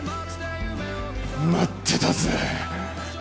待ってたぜ。